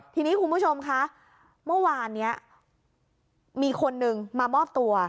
ทีนี้คุณผู้ชมคะเมื่อวานนี้มีคนนึงมามอบตัว